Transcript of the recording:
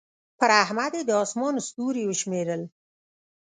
پر احمد يې د اسمان ستوري وشمېرل.